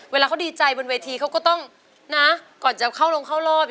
เวลาเขาดีใจบนเวทีเขาก็ต้องนะก่อนจะเข้าลงเข้ารอบ